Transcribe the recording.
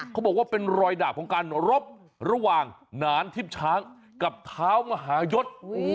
เขาบอกว่าเป็นรอยดาบของการรบระหว่างหนานทิพย์ช้างกับเท้ามหายศ